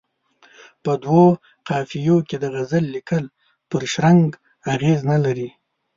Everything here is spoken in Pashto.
په دوو قافیو کې د غزل لیکل پر شرنګ اغېز نه لري.